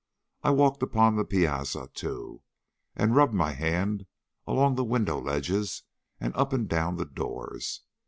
I walked upon the piazza too, and rubbed my hand along the window ledges and up and down the doors.